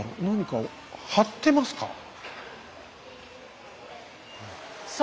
何かを貼ってますか？